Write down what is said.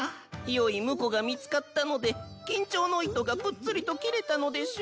よい婿が見つかったので緊張の糸がぷっつりと切れたのでしょう。